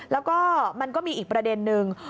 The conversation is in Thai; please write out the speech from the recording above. แล้วก็มันก็มีอีกประเด็นนึง